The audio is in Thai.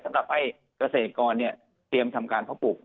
สำหรับให้เกษตรกรเตรียมทำการพบปุก